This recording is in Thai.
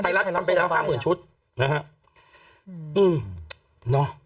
ไทยรัฐทำได้ยาย๕๐๐๐๐ชุดนะฮะ